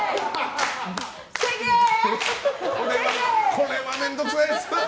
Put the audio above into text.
これは面倒くさいです。